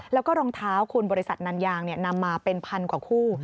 แล้วก็รองเท้าคุณบริษัทนันยางนำมาเป็นพันกว่าคู่